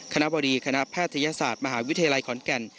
คณะบดีคณะแพทยศาสตร์มหาวิทยาลัยขอนแก่น